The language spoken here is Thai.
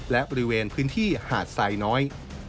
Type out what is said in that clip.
และบริเวณพื้นที่หาดไซน้อย